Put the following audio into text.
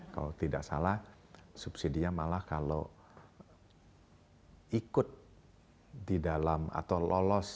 kalau tidak salah subsidinya malah kalau ikut di dalam atau lolos